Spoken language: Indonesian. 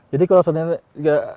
jadi kalau seandainya